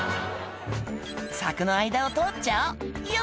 「柵の間を通っちゃおうよっ」